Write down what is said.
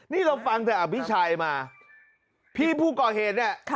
นี่เราฟังแต่อภิชัยมาพี่ผู้ก่อเหตุเนี่ย